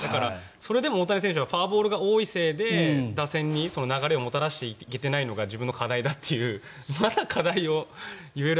それでも大谷選手はフォアボールが多いせいで流れをもたらせていけてないのが自分の課題だというまだ課題を言える